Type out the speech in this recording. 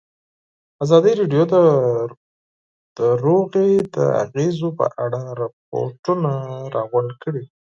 ازادي راډیو د سوله د اغېزو په اړه ریپوټونه راغونډ کړي.